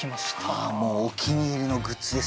ああもうお気に入りのグッズですね。